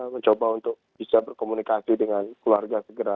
mencoba untuk bisa berkomunikasi dengan keluarga segera